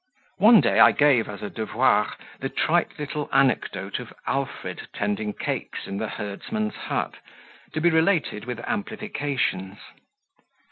One day I gave, as a devoir, the trite little anecdote of Alfred tending cakes in the herdsman's hut, to be related with amplifications.